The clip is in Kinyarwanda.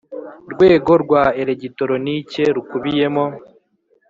Rwego rwa elegitoronike rukubiyemo